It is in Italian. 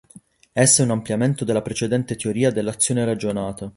Essa è un ampliamento della precedente Teoria dell'azione ragionata.